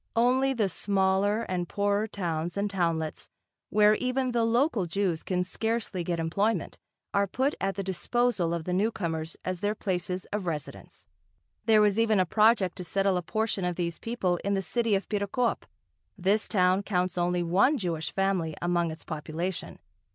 Only the smaller and poorer towns and townlets where even the local Jews can scarcely get employment, are put at the disposal of the newcomers as their places of residence. There was even a project to settle a portion of these people in the city of Perekop. This town counts only one Jewish family among its population.